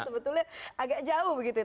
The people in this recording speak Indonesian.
sebetulnya agak jauh begitu